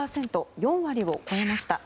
４割を超えました。